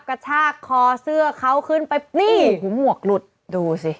กระชากคอเสื้อเขาขึ้นไปนี่โอ้โหหมวกหลุดดูสิ